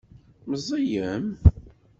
Meẓẓiyem?